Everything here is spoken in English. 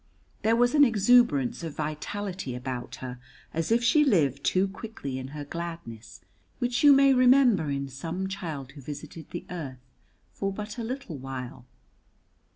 There was an exuberance of vitality about her as if she lived too quickly in her gladness, which you may remember in some child who visited the earth for but a little while.